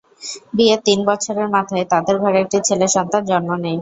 বিয়ের তিন বছরের মাথায় তাঁদের ঘরে একটি ছেলে সন্তান জন্ম নেয়।